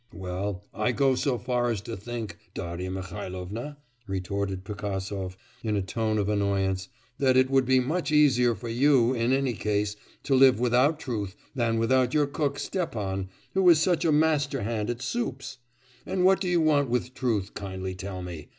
'Well, I go so far as to think, Darya Mihailovna,' retorted Pigasov, in a tone of annoyance, 'that it would be much easier for you, in any case, to live without truth than without your cook, Stepan, who is such a master hand at soups! And what do you want with truth, kindly tell me?